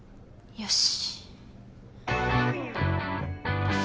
よし。